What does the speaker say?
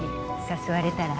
誘われたら？